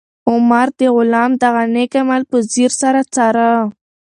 عمر د غلام دغه نېک عمل په ځیر سره څاره.